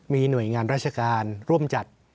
มีหน่วยงานราชการร่วมจัด